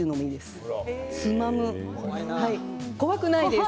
怖くないです。